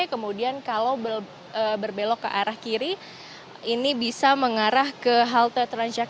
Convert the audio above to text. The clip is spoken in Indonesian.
kemudian kalau berbelok ke arah kiri ini bisa mengarah ke halte transjakarta